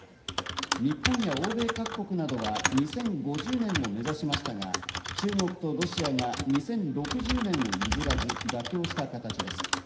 日本や欧米各国などは２０５０年を目指しましたが、中国とロシアが２０６０年を譲らず、妥協した形です。